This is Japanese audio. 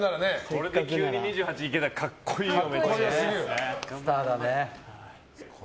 これで急に２８いけたら格好いいよ。